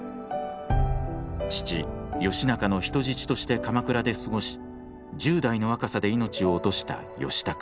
父義仲の人質として鎌倉で過ごし１０代の若さで命を落とした義高。